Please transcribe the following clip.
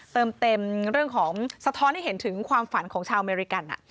เติมเต็มเรื่องของสะท้อนให้เห็นถึงความฝันของชาวอเมริกัน